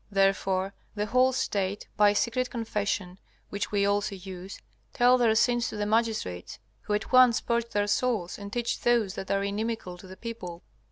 Therefore the whole State by secret confession, which we also use, tell their sins to the magistrates, who at once purge their souls and teach those that are inimical to the people.